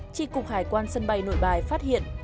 tri cục hải quan sân bay nội bài phát hiện